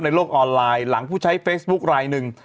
โลกออนไลน์หลังผู้ใช้เฟซบุ๊คลายหนึ่ง